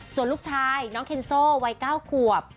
ส่วนลูกชายน้องเคนโซ่วัย๙ขวบ